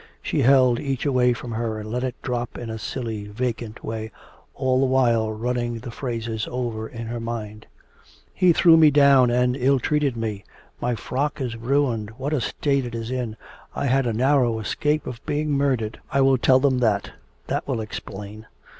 She held each away from her and let it drop in a silly, vacant way, all the while running the phrases over in her mind: 'He threw me down and ill treated me; my frock is ruined, what a state it is in! I had a narrow escape of being murdered. I will tell them that... that will explain